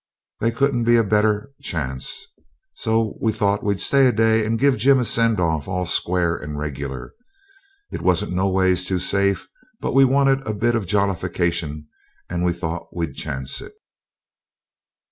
There couldn't be a better chance, so we thought we'd stay a day and give Jim a send off all square and regular. It wasn't no ways too safe, but we wanted a bit of a jollification and we thought we'd chance it.